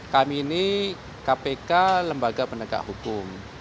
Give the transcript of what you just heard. kami ini kpk lembaga penegak hukum